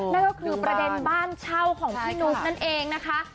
นั่นก็คือประเด็นบ้านเช่าของพี่นุ๊กนั่นเองนะคะ